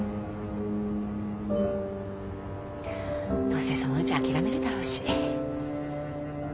どうせそのうち諦めるだろうし。